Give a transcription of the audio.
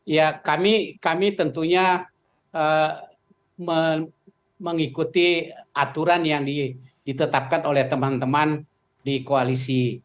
ya kami tentunya mengikuti aturan yang ditetapkan oleh teman teman di koalisi